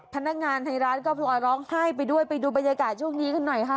พนักงานในร้านก็พลอยร้องไห้ไปด้วยไปดูบรรยากาศช่วงนี้กันหน่อยค่ะ